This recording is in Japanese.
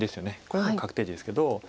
これもう確定地ですけど。